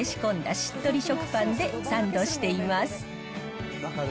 しっとり食パンでサンドしています。